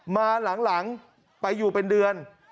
มาหลังไปอยู่เป็นเดือน